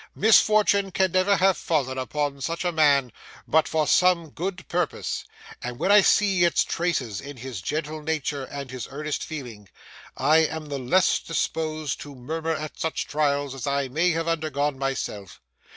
Misfortune can never have fallen upon such a man but for some good purpose; and when I see its traces in his gentle nature and his earnest feeling, I am the less disposed to murmur at such trials as I may have undergone myself.